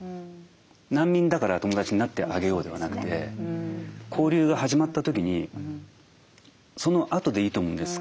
「難民だから友達になってあげよう」ではなくて交流が始まった時にそのあとでいいと思うんです。